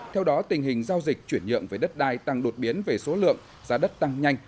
theo đó tình hình giao dịch chuyển nhượng về đất đai tăng đột biến về số lượng giá đất tăng nhanh